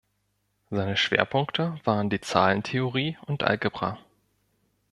Seine Schwerpunkte waren die Zahlentheorie und Algebra.